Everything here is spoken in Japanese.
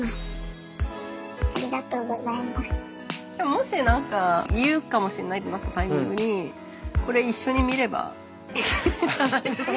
もし何か言うかもしんないってなったタイミングにこれ一緒に見ればいいんじゃないですか。